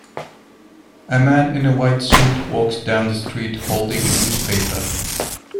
A man in a white suit walks down the street holding a newspaper.